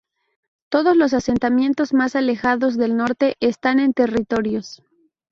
Todos los asentamientos más alejados del norte están en territorios.